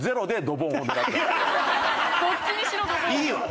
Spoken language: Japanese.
どっちにしろドボン。